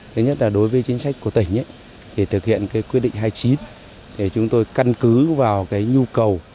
thứ nhất là đối với chính sách của tỉnh thì thực hiện quyết định hai mươi chín để chúng tôi căn cứ vào nhu cầu